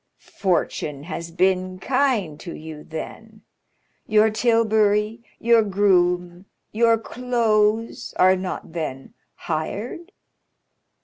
"Fortune has been kind to you, then? Your tilbury, your groom, your clothes, are not then hired?